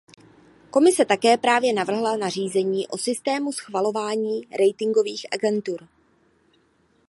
Komise také právě navrhla nařízení o systému schvalování ratingových agentur.